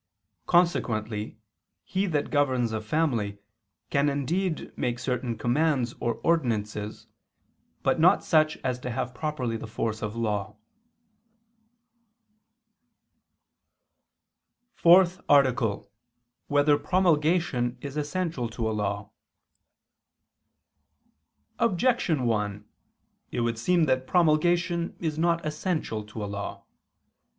Consequently he that governs a family, can indeed make certain commands or ordinances, but not such as to have properly the force of law. ________________________ FOURTH ARTICLE [I II, Q. 90, Art. 4] Whether Promulgation Is Essential to a Law? Objection 1: It would seem that promulgation is not essential to a law.